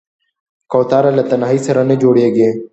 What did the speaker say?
کوتره له تنهايي سره نه جوړېږي.